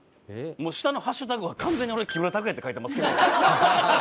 もう下のハッシュタグは完全に俺「木村拓哉」って書いてますけどね。